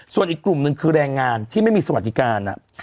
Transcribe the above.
ส่วนอีกกลุ่มหนึ่งคือแรงงานที่ไม่มีสวัสดิการ